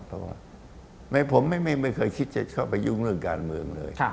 เพราะว่าผมไม่เคยคิดจะเข้าไปยุ่งเรื่องการเมืองเลย